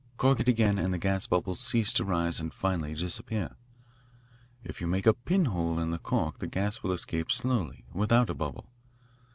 Cork it again and the gas bubbles cease to rise and finally disappear. If you make a pin hole in the cork the gas will escape slowly, without a bubble.